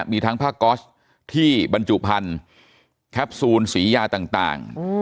มีทั้งผ้าก๊อสที่บรรจุพันธุ์แคปซูลสียาต่าง